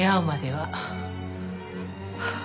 はあ。